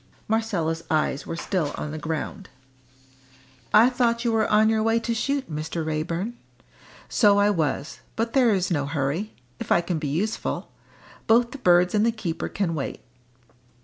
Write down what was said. Marcella's eyes were still on the ground. "I thought you were on your way to shoot, Mr. Raeburn?" "So I was, but there is no hurry; if I can be useful. Both the birds and the keeper can wait."